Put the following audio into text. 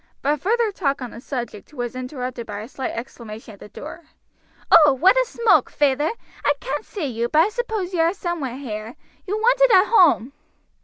But further talk on the subject was interrupted by a slight exclamation at the door. "O what a smoke, feyther! I can't see you, but I suppose you're somewhere here. You're wanted at home."